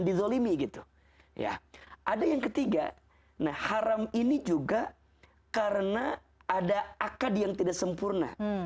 dizolimi gitu ya ada yang ketiga nah haram ini juga karena ada akad yang tidak sempurna